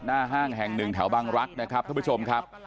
ห้างแห่งหนึ่งแถวบังรักษ์นะครับท่านผู้ชมครับ